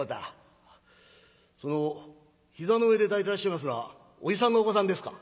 「その膝の上で抱いてらっしゃいますのはおじさんのお子さんですか？」。